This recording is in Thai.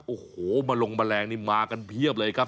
โอ้โหมาลงแมลงนี่มากันเพียบเลยครับ